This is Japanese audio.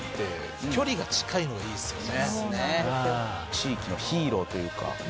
地域のヒーローというか。